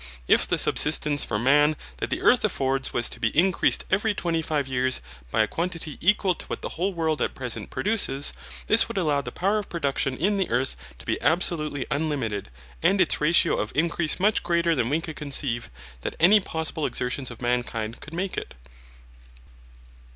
If the subsistence for man that the earth affords was to be increased every twenty five years by a quantity equal to what the whole world at present produces, this would allow the power of production in the earth to be absolutely unlimited, and its ratio of increase much greater than we can conceive that any possible exertions of mankind could make it.